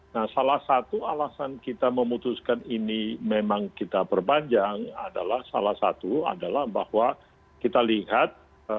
nah salah satu alasan kita memutuskan ini memang kita perpanjang adalah salah satu adalah bahwa kita lihat